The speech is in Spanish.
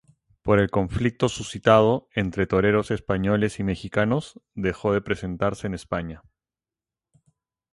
Por el conflicto suscitado entre toreros españoles y mexicanos dejó de presentarse en España.